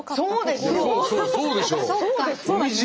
そうですよ！